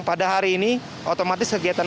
pada hari ini otomatis kegiatan